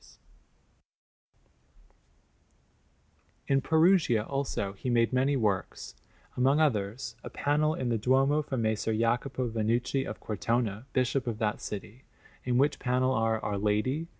Canvas_) In Perugia, also, he made many works; among others, a panel in the Duomo for Messer Jacopo Vannucci of Cortona, Bishop of that city; in which panel are Our Lady, S.